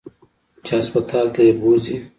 چې هسپتال ته يې بوځي.